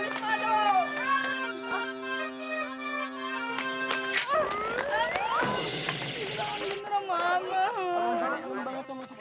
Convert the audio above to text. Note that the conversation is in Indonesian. bibik manis padel